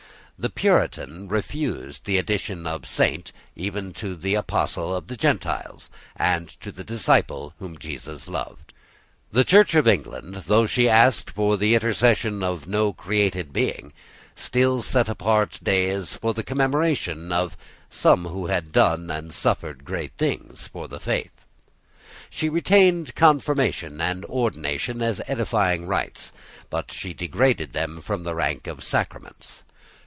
The Puritan refused the addition of Saint even to the apostle of the Gentiles, and to the disciple whom Jesus loved. The Church of England, though she asked for the intercession of no created being, still set apart days for the commemoration of some who had done and suffered great things for the faith. She retained confirmation and ordination as edifying rites; but she degraded them from the rank of sacraments.